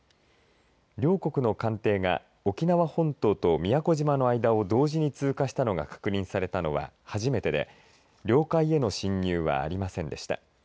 両国の艦艇が沖縄本島と宮古島の間を同時に通過したのが確認されたのは初めてで領海への侵入はありませんでした。